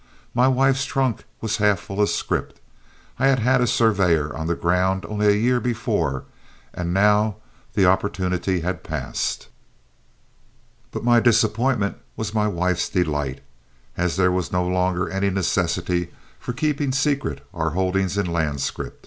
My wife's trunk was half full of scrip, I had had a surveyor on the ground only a year before, and now the opportunity had passed. But my disappointment was my wife's delight, as there was no longer any necessity for keeping secret our holdings in land scrip.